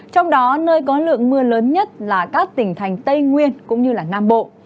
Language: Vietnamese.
trong đó nơi có lượng mưa lớn nhất là các tỉnh thành tây nguyên cũng như nam bộ